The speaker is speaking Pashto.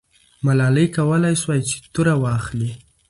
ملالۍ کولای سوای چې توره واخلي.